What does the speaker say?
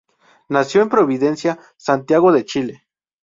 Nació en Providencia, Santiago de Chile.